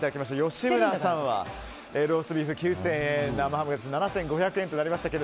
吉村さんはローストビーフが９０００円生ハム７５００円となりました。